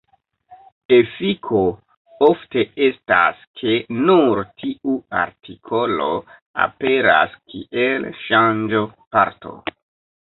Efiko ofte estas, ke nur tiu artikolo aperas kiel ŝanĝo-parto.